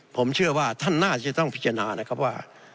ผมเชื่อว่าท่านน่าจะต้องพิจารณานะครับว่า